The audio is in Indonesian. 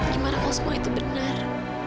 gimana oh semua itu benar